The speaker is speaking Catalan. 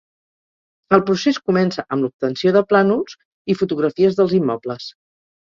El procés comença amb l'obtenció de plànols, i fotografies dels immobles.